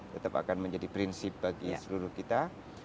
tetap akan menjadi prinsip bagi seluruh kita